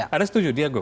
anda setuju diego